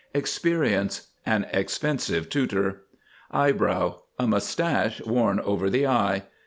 EXPERIENCE. An expensive tutor. EYEBROW. A mustache worn over the eye.